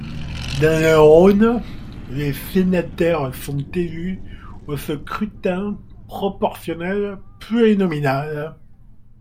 Dans le Rhône, les sénateurs sont élus au scrutin proportionnel plurinominal.